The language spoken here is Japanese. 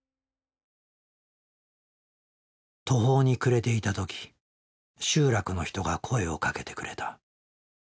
途方に暮れていた時集落の人が声をかけてくれた。